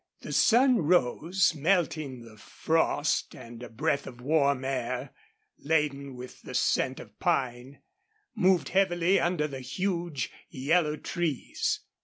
The sun rose, melting the frost, and a breath of warm air, laden with the scent of pine, moved heavily under the huge, yellow trees.